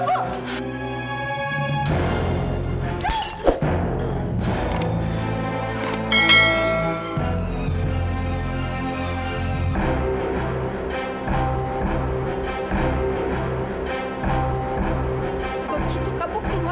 tapi nggak sekarang mah